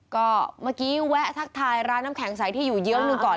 ก็เมื่อกี้แวะทักทายร้านน้ำแข็งใสที่อยู่เยื้องหนึ่งก่อน